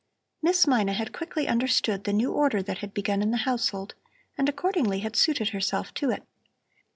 Miss Mina had quickly understood the new order that had begun in the household and accordingly had suited herself to it.